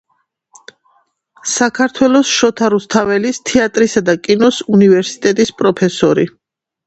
საქართველოს შოთა რუსთაველის თეატრისა და კინოს უნივერსიტეტის პროფესორი.